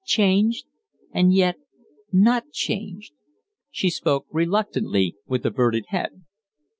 "Changed and yet not changed." She spoke reluctantly, with averted head.